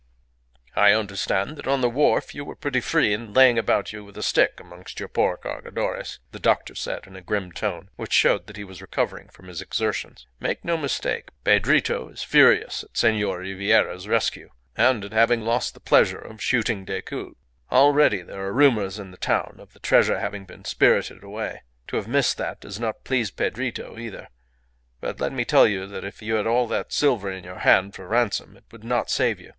"I understand that on the wharf you were pretty free in laying about you with a stick amongst your poor Cargadores," the doctor said in a grim tone, which showed that he was recovering from his exertions. "Make no mistake. Pedrito is furious at Senor Ribiera's rescue, and at having lost the pleasure of shooting Decoud. Already there are rumours in the town of the treasure having been spirited away. To have missed that does not please Pedrito either; but let me tell you that if you had all that silver in your hand for ransom it would not save you."